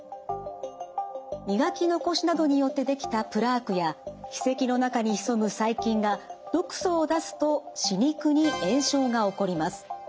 磨き残しなどによって出来たプラークや歯石の中に潜む細菌が毒素を出すと歯肉に炎症が起こります。